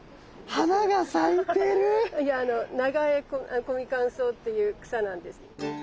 花が咲いてる⁉いやあのナガエコミカンソウっていう草なんです。